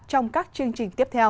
trong các chương trình tiếp theo